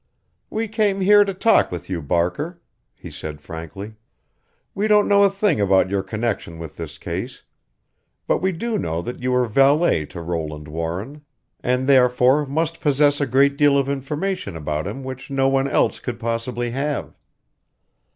"We came here to talk with you, Barker," he said frankly. "We don't know a thing about your connection with this case; but we do know that you were valet to Roland Warren, and therefore must possess a great deal of information about him which no one else could possibly have.